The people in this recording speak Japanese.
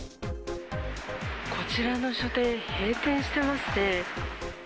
こちらの書店、閉店してますね。